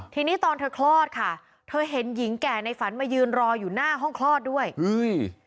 ทีนี้ตอนเธอคลอดค่ะเธอเห็นหญิงแก่ในฝันมายืนรออยู่หน้าห้องคลอดด้วยอุ้ย